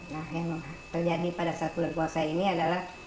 nah yang terjadi pada saat bulan puasa ini adalah